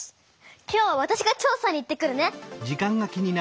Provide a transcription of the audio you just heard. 今日はわたしが調さに行ってくるね！